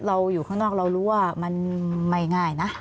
อยู่ข้างนอกเรารู้ว่ามันไม่ง่ายนะ